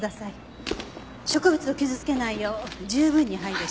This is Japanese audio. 植物を傷つけないよう十分に配慮し。